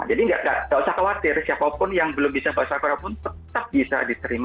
jadi nggak usah khawatir siapa pun yang belum bisa bahasa korea pun tetap bisa diterima